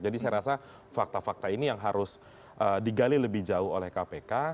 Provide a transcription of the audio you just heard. jadi saya rasa fakta fakta ini yang harus digali lebih jauh oleh kpk